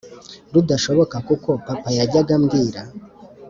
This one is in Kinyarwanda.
rudashoboka kuko papa yajyaga ambwira